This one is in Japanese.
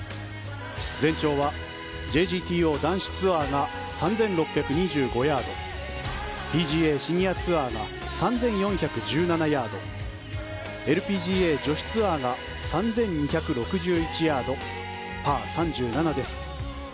全長は、ＪＧＴＯ男子ツアーが３６２５ヤードＰＧＡシニアツアーが３４１７ヤードＬＰＧＡ女子ツアーが３２６１ヤード、パー３７です。